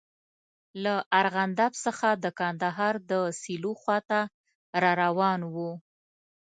له ارغنداب څخه د کندهار د سیلو خواته را روان وو.